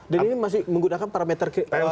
dan ini masih menggunakan parameter ke pm sepuluh ya